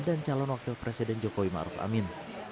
dan calon wakil presiden jokowi maruf amin